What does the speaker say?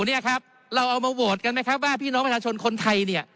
เนี่ยครับเราเอามาโหวตกันไหมครับว่าพี่น้องประชาชนคนไทยเนี่ย